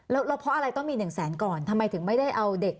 แล้วเพราะอะไรต้องมี๑แสนก่อนทำไมถึงไม่ได้เอาเด็ก